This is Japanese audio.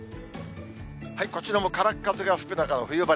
こちらもからっ風が吹く中の冬晴れ。